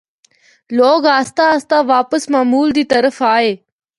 لوگ آستہ آستہ واپس معمول دی طرف آئے۔